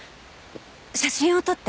写真を撮って。